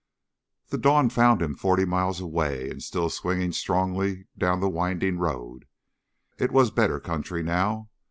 The dawn found him forty miles away and still swinging strongly down the winding road. It was better country now.